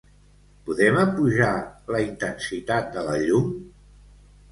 Podem apujar la intensitat de la llum?